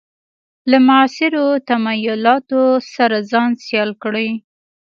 له معاصرو تمایلاتو سره ځان سیال کړي.